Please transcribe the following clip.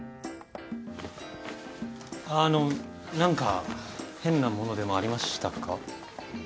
あの何か変なものでもありましたか？